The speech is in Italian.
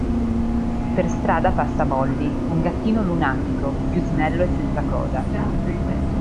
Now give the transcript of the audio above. Per strada passa Molly, un gattino lunatico, più snello e senza coda.